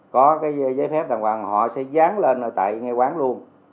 có cái giấy phép đà hoàng họ sẽ dán lên ở tại ngay quán luôn